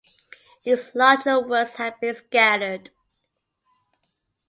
His larger works have been scattered.